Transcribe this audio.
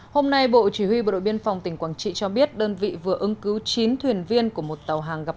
hôm nay bộ chỉ huy bộ đội biên phòng tỉnh quảng trị cho biết đơn vị vừa ứng cứu chín thuyền viên của một tàu hàng gặp